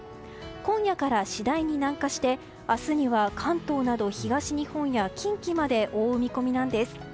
今夜から次第に南下して明日には関東など東日本や近畿まで覆う見込みなんです。